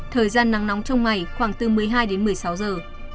thời gian nắng nóng trong ngày khoảng từ một mươi hai đến một mươi sáu giờ